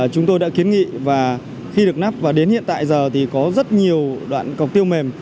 chúng tôi đã kiến nghị và khi được nắp và đến hiện tại giờ thì có rất nhiều đoạn cọc tiêu mềm